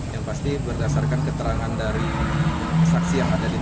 yang pasti berdasarkan keterangan dari saksi yang ada di tk